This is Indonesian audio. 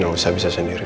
gak usah bisa sendiri